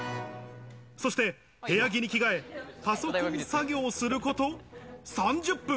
そして部屋着に着替え、パソコン作業をすること３０分。